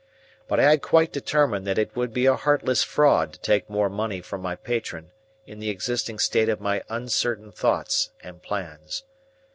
But I had quite determined that it would be a heartless fraud to take more money from my patron in the existing state of my uncertain thoughts and plans.